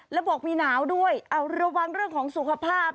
ระบบมีหนาวด้วยระวังเรื่องของสุขภาพ